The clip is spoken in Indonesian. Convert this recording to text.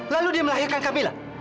lalu dia melahirkan kamila